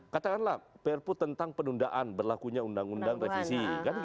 katakanlah perpu tentang penundaan berlakunya undang undang revisi